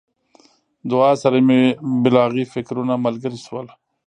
دعا سره مې بلاغي فکرونه ملګري شول.